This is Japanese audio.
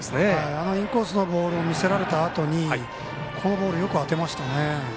あのインコースのボール見せられたあとにこのボール、よく当てましたね。